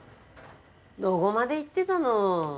どごまで行ってたの？